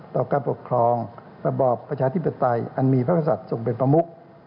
ต่อการปกครองประบอบประชาธิปไตยอันมีพระภาษาส่งเป็นประมุข